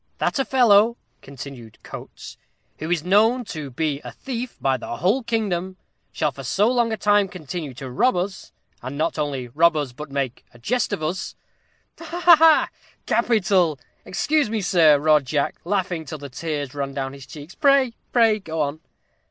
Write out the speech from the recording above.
"'That a fellow,'" continued Coates, "'who is known to be a thief by the whole kingdom, shall for so long a time continue to rob us, and not only rob us, but make a jest of us '" "Ha ha ha capital! Excuse me, sir," roared Jack, laughing till the tears ran down his cheeks "pray, pray, go on."